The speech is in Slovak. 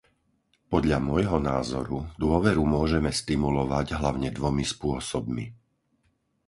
Podľa môjho názoru dôveru môžeme stimulovať hlavne dvomi spôsobmi.